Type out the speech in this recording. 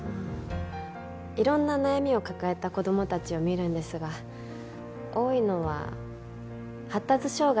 いろんな悩みを抱えた子どもたちを診るんですが多いのは発達障害の子どもです。